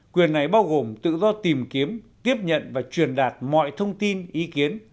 quyền này bao gồm tự do tìm kiếm tiếp nhận và truyền đạt mọi thông tin ý kiến